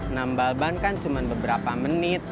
nambal ban kan cuma beberapa menit